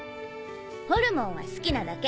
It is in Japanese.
ホルモンは好きなだけ。